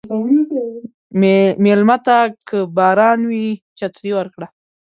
مېلمه ته که باران وي، چترې ورکړه.